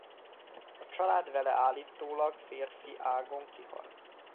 A család vele állítólag férfi ágon kihalt.